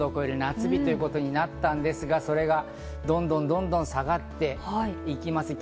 昨日は昼間２５度を超える夏日ということになったんですが、それがどんどん下がっていきます。